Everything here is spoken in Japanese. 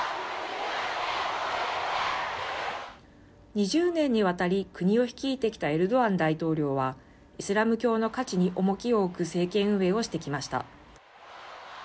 ２０年にわたり、国を率いてきたエルドアン大統領は、イスラム教の価値に重きを置く政権運営をしてきました。